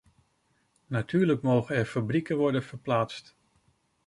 Natuurlijk mogen er fabrieken worden verplaatst.